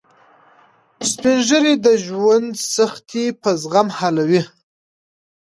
سپین ږیری د ژوند سختۍ په زغم حلوي